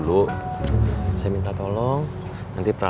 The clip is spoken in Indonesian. terima kasih bro